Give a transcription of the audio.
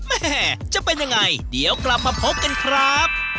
แม่จะเป็นยังไงเดี๋ยวกลับมาพบกันครับ